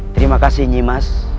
terima kasih nyimas